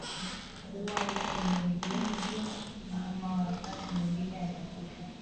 kuwa yeye ni mgonjwa ama wakati mwingine amekufa